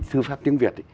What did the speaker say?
thư pháp tiếng việt